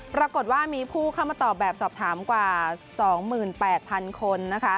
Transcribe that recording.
ปรากฏว่ามีผู้เข้ามาตอบแบบสอบถามกว่า๒๘๐๐๐คนนะคะ